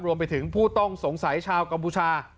รวมไปถึงผู้ต้องสงสัยชาวกัมพูชา